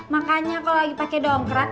makanya kalau lagi pakai dongkrak